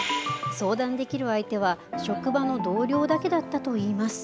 相談できる相手は職場の同僚だけだったといいます。